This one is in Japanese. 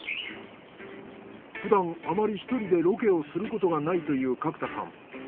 ふだんあまり１人でロケをすることがないという角田さん。